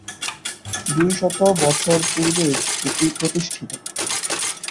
দুইশত বছর পূর্বে এটি প্রতিষ্ঠিত।